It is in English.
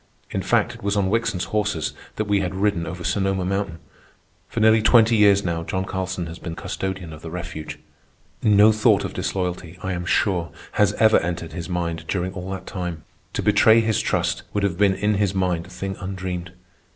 In fact, it was on Wickson's horses that we had ridden over Sonoma Mountain. For nearly twenty years now John Carlson has been custodian of the refuge. No thought of disloyalty, I am sure, has ever entered his mind during all that time. To betray his trust would have been in his mind a thing undreamed.